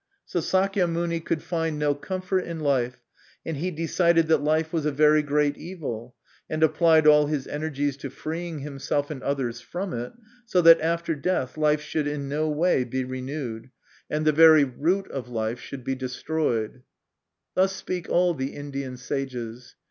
'" So Sakya Muni could find no comfort in life, and he decided that life was a very great evil, and applied all his energies to freeing himself and others from it, so that after death, life should in no way be renewed, and the very 64 MY CONFESSION. root of life should be destroyed. Thus speak all the Indian sages.